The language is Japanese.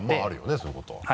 そういうことは。